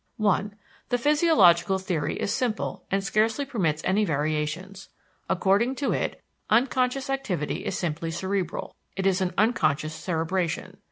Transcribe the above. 1. The physiological theory is simple and scarcely permits any variations. According to it, unconscious activity is simply cerebral; it is an "unconscious cerebration."